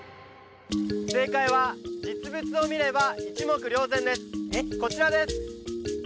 正解は実物を見れば一目瞭然ですこちらです！